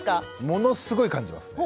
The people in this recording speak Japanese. ものすごい感じますね。